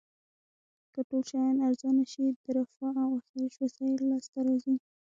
که ټول شیان ارزانه شي د رفاه او اسایش وسایل لاس ته راځي.